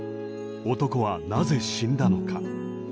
男はなぜ死んだのか。